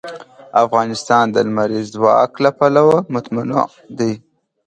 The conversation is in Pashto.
افغانستان د لمریز ځواک له پلوه متنوع دی.